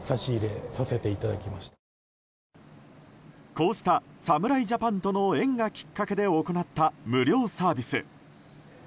こうした侍ジャパンとの縁がきっかけで行った無料サービス。